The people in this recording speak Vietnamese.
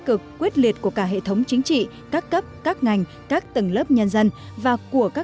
cực quyết liệt của cả hệ thống chính trị các cấp các ngành các tầng lớp nhân dân và của các